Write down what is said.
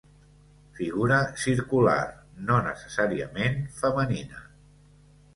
Figura circular, no necessàriament femenina.